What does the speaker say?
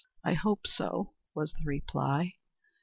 "I hope so," was the reply.